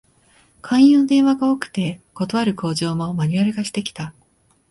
勧誘の電話が多くて、断る口上もマニュアル化してきた